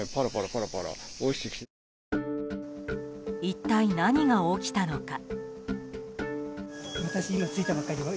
一体何が起きたのか。